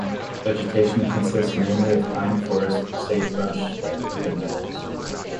Vegetation consists mainly of pine forest, sagebrush, and open meadows.